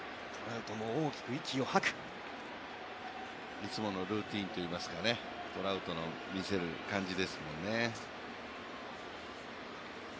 いつものルーティンといいますか、トラウトの見せる感じですね。